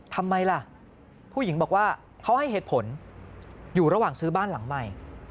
ทำไมล่ะผู้หญิงบอกว่าเขาให้เหตุผลอยู่ระหว่างซื้อบ้านหลังใหม่